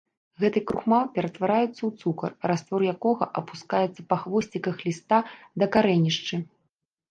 Гэты крухмал ператвараецца ў цукар, раствор якога апускаецца па хвосціках ліста да карэнішчы.